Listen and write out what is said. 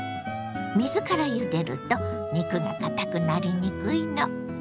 水からゆでると肉がかたくなりにくいの。